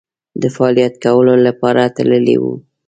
د فعالیت کولو لپاره تللي وو.